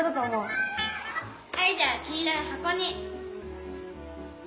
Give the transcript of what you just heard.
アイデアはきいろいはこに！